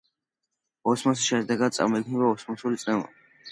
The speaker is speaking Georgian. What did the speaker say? ოსმოსის შედეგად წარმოიქმნება ოსმოსური წნევა.